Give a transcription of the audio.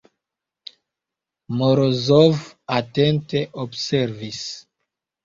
Morozov atente observis.